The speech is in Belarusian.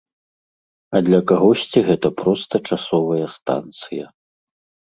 А для кагосьці гэта проста часовая станцыя.